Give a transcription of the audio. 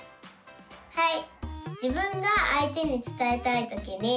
はい。